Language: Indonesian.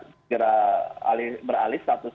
segera beralih status